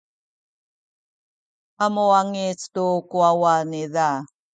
a muwangic tu ku wawa niza.